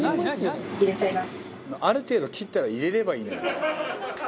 「ある程度切ったら入れればいいのにね」